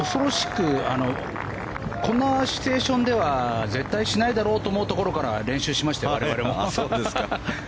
このシチュエーションでは絶対しないだろうと思うところから練習しましたよ、我々も。